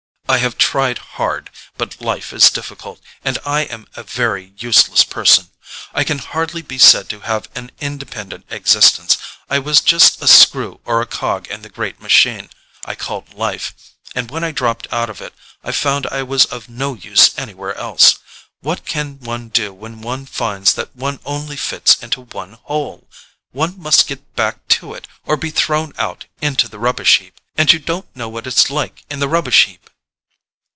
"I have tried hard—but life is difficult, and I am a very useless person. I can hardly be said to have an independent existence. I was just a screw or a cog in the great machine I called life, and when I dropped out of it I found I was of no use anywhere else. What can one do when one finds that one only fits into one hole? One must get back to it or be thrown out into the rubbish heap—and you don't know what it's like in the rubbish heap!"